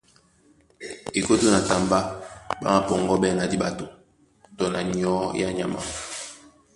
Ekótó na tambá ɓá mapɔŋgɔ́ɓɛ́ na diɓato tɔ na nyɔ̌ á nyama.